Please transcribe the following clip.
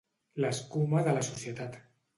L'escuma de la societat.